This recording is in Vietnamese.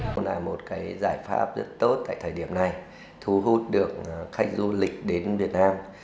cũng là một cái giải pháp rất tốt tại thời điểm này thu hút được khách du lịch đến việt nam